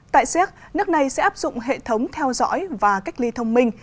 tại séc nước này sẽ áp dụng hệ thống theo dõi và cách ly thông minh